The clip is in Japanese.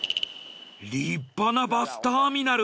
立派なバスターミナル。